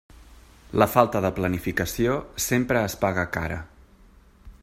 La falta de planificació sempre es paga cara.